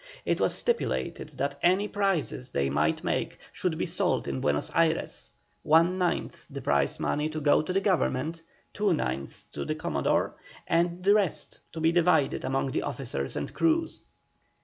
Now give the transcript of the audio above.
It was stipulated that any prizes they might make should be sold in Buenos Ayres, one ninth the prize money to go to Government, two ninths to the Commodore, and the rest was to be divided among the officers and crews.